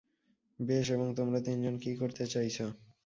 বেশ, এবং তোমরা তিনজন কি করতে চাইছ?